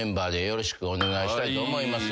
よろしくお願いします。